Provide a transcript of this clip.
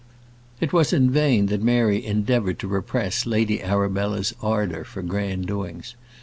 It was in vain that Mary endeavoured to repress Lady Arabella's ardour for grand doings.